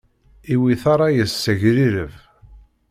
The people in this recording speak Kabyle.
Iwwi-t ṛṛay-is s agrireb.